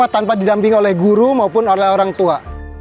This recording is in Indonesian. tanpa didampingi oleh guru maupun oleh orang tua